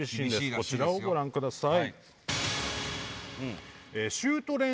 こちらをご覧ください。